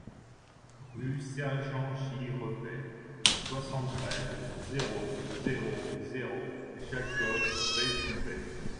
Rue Sergent J-Revel, soixante-treize, zéro zéro zéro Jacob-Bellecombette